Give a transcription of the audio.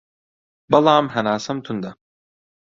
بەڵام هەناسەم توندە